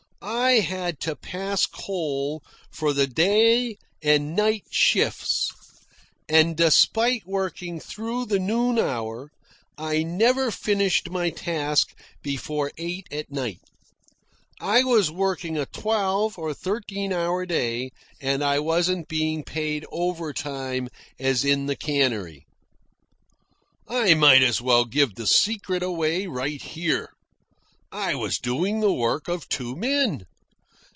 I had to pass coal for the day and night shifts, and, despite working through the noon hour, I never finished my task before eight at night. I was working a twelve to thirteen hour day, and I wasn't being paid overtime as in the cannery. I might as well give the secret away right here. I was doing the work of two men.